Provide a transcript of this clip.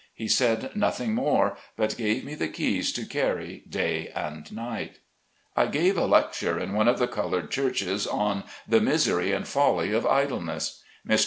He 38 SLAVE CABIN TO PULPIT. said nothing more, but gave me the keys to carry day and night. I gave a lecture in one of the colored churches, on "the Misery and Folly of Idleness." Mr.